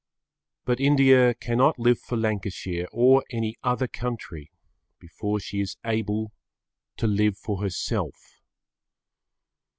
But India cannot live for Lancashire or any other country before she is able to live for herself.